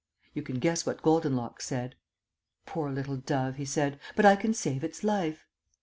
You can guess what Goldenlocks said. "Poor little dove," he said. "But I can save its life."